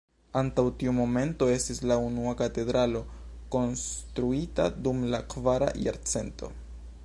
Antaŭ tiu monumento estis la unua katedralo konstruita dum la kvara jarcento.